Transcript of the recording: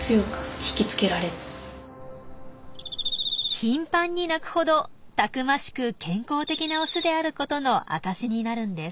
頻繁に鳴くほどたくましく健康的なオスであることの証しになるんです。